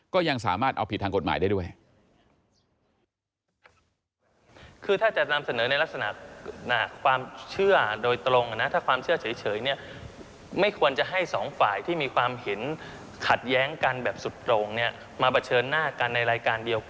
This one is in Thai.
ก็ยังสามารถเอาผิดทางกฎหมายได้ด้วย